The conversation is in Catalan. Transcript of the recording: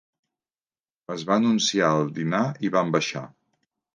Es va anunciar el dinar, i vam baixar.